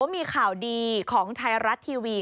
มีข่าวดีของไทยรัฐทีวี